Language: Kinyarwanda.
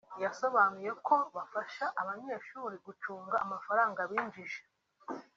yasobanuye ko bafasha abanyeshuri gucunga amafaranga binjije